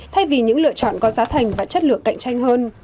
thay vì những lựa chọn có giá thành và chất lượng cạnh tranh hơn